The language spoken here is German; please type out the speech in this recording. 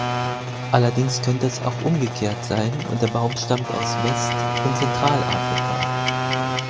Allerdings könnte es auch umgekehrt sein und der Baum stammt aus West- und Zentralafrika.